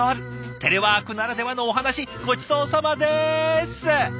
テレワークならではのお話ごちそうさまです！